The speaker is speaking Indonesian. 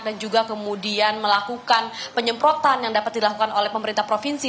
dan juga kemudian melakukan penyemprotan yang dapat dilakukan oleh pemerintah provinsi